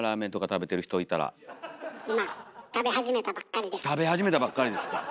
食べ始めたばっかりですか。